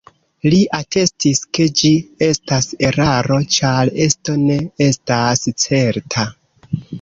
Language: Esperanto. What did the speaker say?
Li atestis ke ĝi estas eraro ĉar esto ne estas certa.